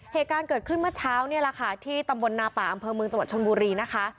เหตุการณ์เกิดขึ้นเมื่อเช้านี่แหละค่ะที่ตำบลนาป่าอำเภอเมืองจังหวัดชนบุรีนะคะ